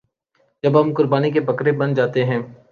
جب ہم قربانی کے بکرے بن جاتے ہیں۔